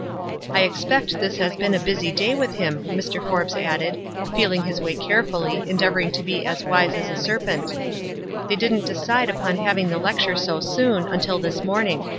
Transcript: " I expect this has been a busy day with him," Mr. Forbes added, feeling his way carefully, en deavoring to be as " wise as a serpent." " They didn't decide upon having the lecture so soon, until this morning.